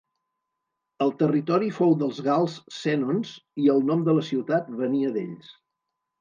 El territori fou dels gals sènons i el nom de la ciutat venia d'ells.